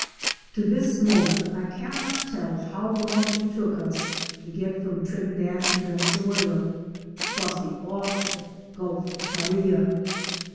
To this moment I cannot tell how long it took us to get from Trinidad to Venezuela across that awful Gulf of Paria.